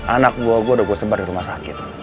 anak buah gue udah gue sebar di rumah sakit